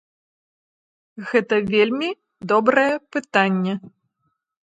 Гэта вельмі добрае пытанне.